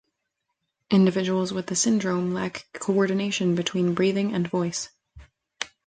Individuals with the syndrome lack coordination between breathing and voice.